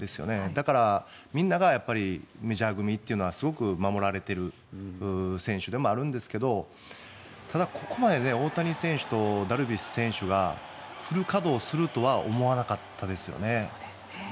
だから、みんながメジャー組というのはすごく守られている選手でもあるんですけどただ、ここまで大谷選手とダルビッシュ選手がフル稼働するとは思わなかったですね。